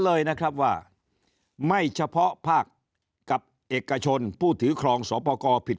เลยนะครับว่าไม่เฉพาะภาคกับเอกชนผู้ถือครองสวปกรผิด